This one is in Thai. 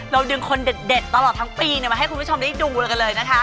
เราดึงคนเด็ดตลอดทั้งปีนี้มาให้คุณพี่ชมได้ดูเลย